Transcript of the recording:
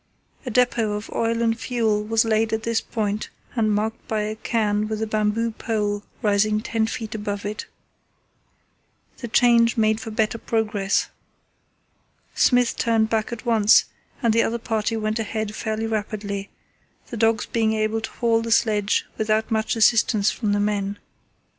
A depot of oil and fuel was laid at this point and marked by a cairn with a bamboo pole rising ten feet above it. The change made for better progress. Smith turned back at once, and the other party went ahead fairly rapidly, the dogs being able to haul the sledge without much assistance from the men.